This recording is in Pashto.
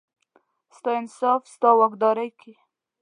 ستا انصاف، ستا واکدارۍ کې،